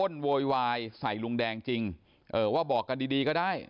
อ้นโวยวายใส่ลุงแดงจริงว่าบอกกันดีก็ได้